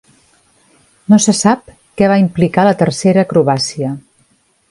No se sap què va implicar la tercera acrobàcia.